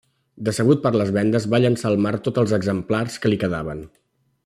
Decebut per les vendes va llençar al mar tots els exemplars que li quedaven.